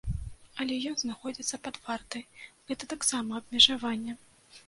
Але ён знаходзіцца пад вартай, гэта таксама абмежаванне.